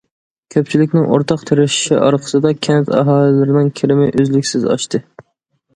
كۆپچىلىكىنىڭ ئورتاق تىرىشىشى ئارقىسىدا كەنت ئاھالىلىرىنىڭ كىرىمى ئۈزلۈكسىز ئاشتى.